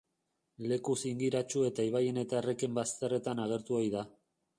Leku zingiratsu eta ibaien eta erreken bazterretan agertu ohi da.